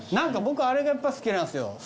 僕あれがやっぱ好きなんですよ